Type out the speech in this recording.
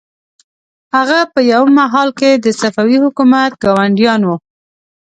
هغوی په یوه مهال کې د صفوي حکومت ګاونډیان وو.